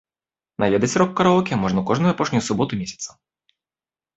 Наведаць рок-караоке можна кожную апошнюю суботу месяца.